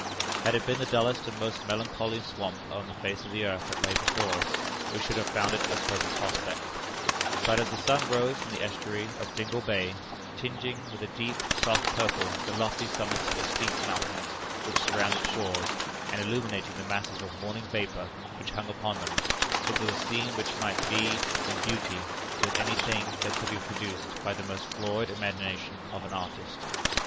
Had it been the dullest and most melancholy swamp on the face of the earth that lay before us, we should have found it a pleasant prospect; but, as the sun rose from the estuary of Dingle Bay, tinging with a deep, soft purple the lofty summits of the steep mountains which surround its shores, and illuminating the masses of morning vapor which hung upon them, it was a scene which might vie in beauty with any thing that could be produced by the most florid imagination of an artist.